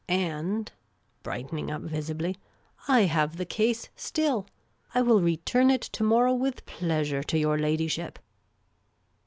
And," brightening up visibly, " I have the case still ; I will return it to morrow with pleasure to your ladyship